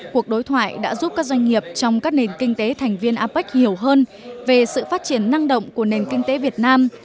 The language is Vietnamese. cuộc đối thoại đã giúp các doanh nghiệp trong các nền kinh tế thành viên apec hiểu hơn về sự phát triển năng động của nền kinh tế việt nam